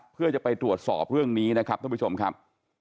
เพื่อจะไปตรวจสอบเรื่องนี้นะครับท่านผู้ชมครับ